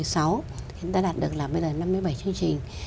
chúng ta đạt được là bây giờ năm mươi bảy chương trình